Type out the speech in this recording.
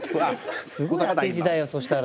すごい当て字だよそしたら。